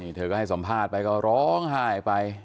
นี่เธอก็ให้สัมภาษณ์ไปก็ร้องไห้ไป